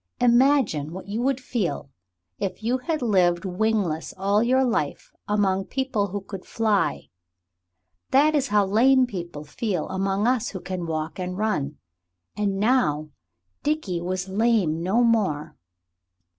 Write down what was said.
Imagine what you would feel if you had lived wingless all your life among people who could fly. That is how lame people feel among us who can walk and run. And now Dickie was lame no more.